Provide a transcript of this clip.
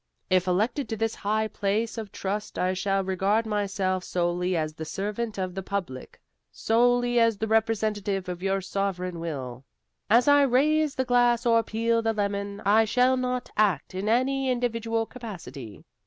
If elected to this high place of trust I shall regard myself solely as the servant of the public, solely as the representative of your sovereign will. As I raise the glass or peel the lemon, I shall not act in any individual capacity.